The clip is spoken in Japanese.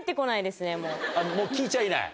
もう聞いちゃいない？